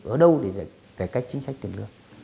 ở đâu để cải cách chính sách tiền lương